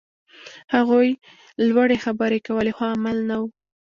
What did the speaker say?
هغوی لوړې خبرې کولې، خو عمل نه و.